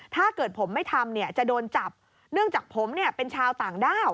ถ้าเกิดผมไม่ทำเนี่ยจะโดนจับเนื่องจากผมเนี่ยเป็นชาวต่างด้าว